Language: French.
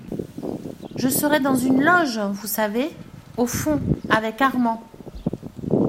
Je serai dans une loge , vous savez ? au fond , avec Armand.